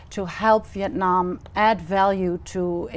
tôi rất vui